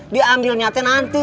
diambil nyatain nanti